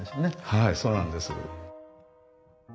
はいそうなんです。